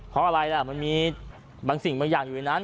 เพราะอะไรล่ะมันมีบางสิ่งบางอย่างอยู่ในนั้น